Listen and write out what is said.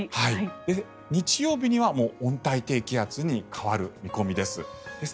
日曜日には温帯低気圧に変わる見込みです。